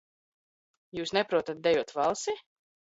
Jūs neprotat dejot valsi?